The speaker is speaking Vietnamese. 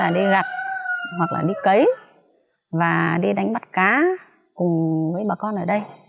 đi gặt hoặc là đi cấy và đi đánh bắt cá cùng với bà con ở đây